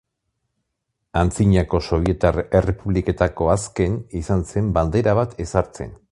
Antzinako sobietar errepubliketako azken izan zen bandera bat ezartzen.